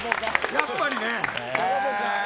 やっぱりね。